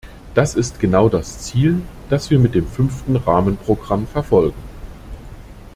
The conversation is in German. Das ist genau das Ziel, das wir mit dem Fünften Rahmenprogramm verfolgen.